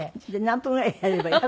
何分ぐらいやればいい。